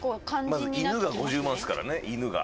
「まず犬が５０万っすからね犬が」